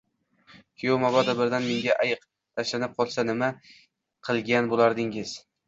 - Kuyov, mabodo birdan menga ayiq tashlanib qolsa, nima qilgan bo‘lardingiz?